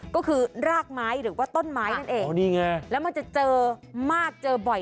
ก็คือรากไม้หรือว่าต้นไม้นั่นเองอ๋อนี่ไงแล้วมันจะเจอมากเจอบ่อย